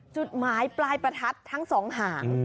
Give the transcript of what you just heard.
สูตรหมายปลายประทัดทั้ง๒หาง